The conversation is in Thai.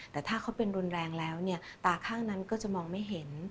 แต่ถ้าเขาเป็นรุนแรงแล้วเนี่ยตาข้างนั้นก็จะมองไม่เห็น